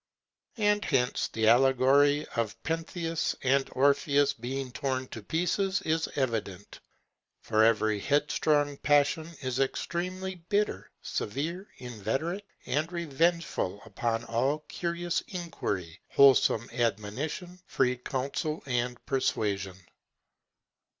And hence the allegory of Pentheus and Orpheus being torn to pieces is evident; for every headstrong passion is extremely bitter, severe, inveterate, and revengeful upon all curious inquiry, wholesome admonition, free counsel, and persuasion.